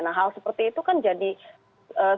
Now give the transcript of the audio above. nah hal seperti itu kan jadi sebuah potensi ya